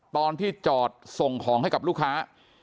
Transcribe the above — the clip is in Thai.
ตอนที่จอดส่งของให้กับลูกค้า